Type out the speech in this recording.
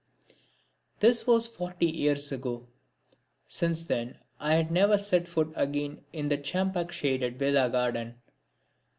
This was forty years ago. Since then I have never set foot again in that champak shaded villa garden.